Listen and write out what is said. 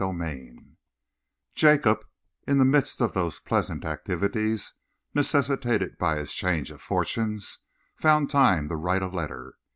CHAPTER V Jacob, in the midst of those pleasant activities necessitated by his change of fortunes, found time to write a letter.